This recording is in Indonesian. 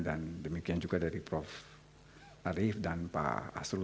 dan demikian juga dari prof arief dan pak asru